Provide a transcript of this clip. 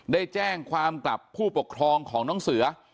ได้แจ้งความกลับผู้ปกครองของน้องเสือ